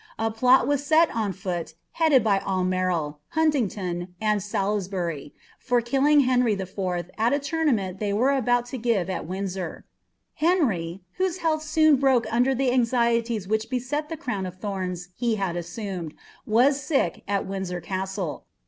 A plot was eel on fiHit, headed by Autnerle, Munlingduu, and Salisbury, for killing Henry IV. at a tournament they were about to give at Wmdsor. Henry, whose health soon broke under the anxieties which beset the crown of tliorns he had assumed, was sick ^SlrWindaor Castle.